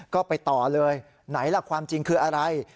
ก็ไปต่อเลยไหนล่ะความจริงคืออะไร